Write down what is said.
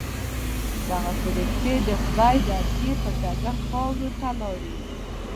دغه فرښتې د خدای د عطیې پر ډګر خاورو ته لاړې.